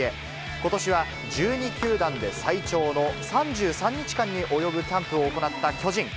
ことしは１２球団で最長の３３日間に及ぶキャンプを行った巨人。